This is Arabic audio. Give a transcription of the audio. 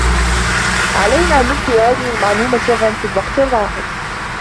علينا أن نبقي هذه المعلومة سراً في الوقت الراهن.